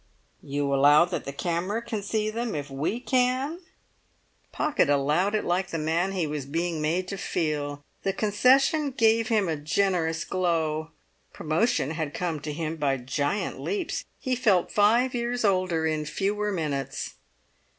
"You allow that the camera can see them if we can?" Pocket allowed it like the man he was being made to feel; the concession gave him a generous glow. Promotion had come to him by giant leaps. He felt five years older in fewer minutes.